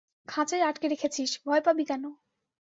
খাঁচায় আটকে রেখেছিস, ভয় পাবি কেন?